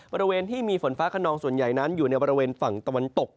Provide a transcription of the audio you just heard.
บริเวณที่มีฝนฟ้าขนองส่วนใหญ่นั้นอยู่ในบริเวณฝั่งตะวันตก